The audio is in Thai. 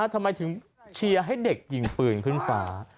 ทำไมถึงเชียร์ให้เด็กยิงปืนขึ้นฟ้า